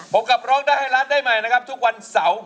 กับร้องได้ให้ร้านได้ใหม่นะครับทุกวันเสาร์